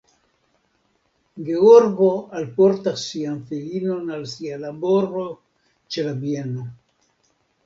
Georgo alportas sian filinon al sia laboro ĉe la bieno.